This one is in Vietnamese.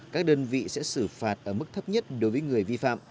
các đơn vị sẽ xử phạt ở mức thấp nhất đối với người vi phạm